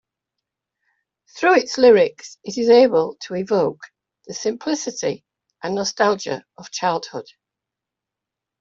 Through its lyrics, it is able to evoke the simplicity and nostalgia of childhood.